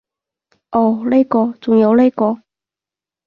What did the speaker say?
噢呢個，仲有呢個